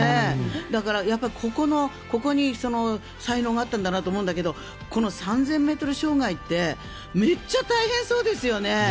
だから、ここに才能があったんだなと思うんだけどこの３０００ｍ障害ってめっちゃ大変そうですよね。